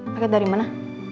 paket dari mana